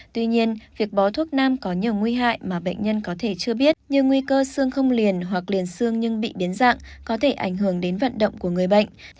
tuy nhiên việc bó thuốc nam có nhiều nguy hại mà bệnh nhân có thể chưa biết như nguy cơ xương không liền hoặc liền xương nhưng bị biến dạng có thể ảnh hưởng đến vận động của người bệnh